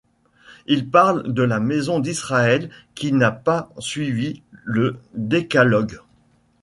Il parle de la maison d'Israël qui n'a pas suivi le Décalogue.